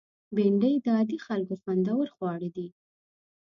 بېنډۍ د عادي خلکو خوندور خواړه دي